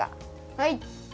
はい。